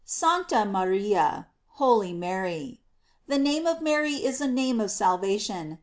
"Sancta Maria:" Holy Mary. The name of Mary is a name of salvation.